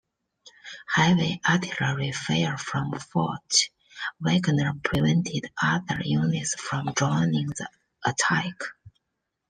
Heavy artillery fire from Fort Wagner prevented other units from joining the attack.